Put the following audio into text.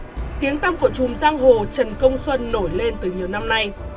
ngoại truyện của chùm giang hồ trần công xuân nổi lên từ nhiều năm nay